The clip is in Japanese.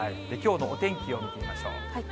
きょうのお天気を見てみましょう。